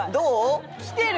きてる！